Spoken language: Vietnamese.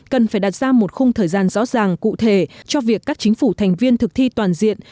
cần phải đặt ra một khung thời gian rõ ràng cụ thể cho việc các chính phủ thành viên thực thi toàn diện